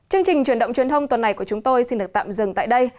chương trình truyền động truyền thông tuần này của chúng tôi xin được tạm dừng tại đây